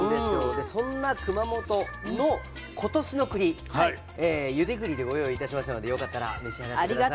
でそんな熊本の今年のくり「ゆでぐり」でご用意いたしましたのでよかったら召し上がって下さい。